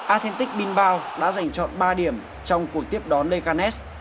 athletic bilbao đã giành chọn ba điểm trong cuộc tiếp đón leganes